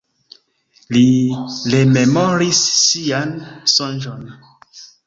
Li rememoris sian sonĝon.